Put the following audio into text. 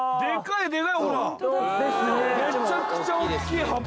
めちゃくちゃ大っきい葉っぱ。